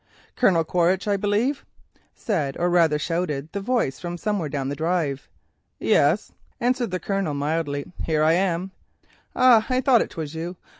"Colonel Quaritch, I believe," said, or rather shouted, the voice from somewhere down the drive. "Yes," answered the Colonel mildly, "here I am." "Ah, I thought it was you.